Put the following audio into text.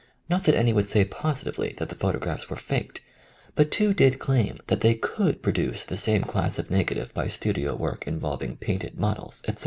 Not that any would say positively that the photo graphs were faked, but two did claim that they could produce the same class of nega tive by studio work involving painted mod els, etc.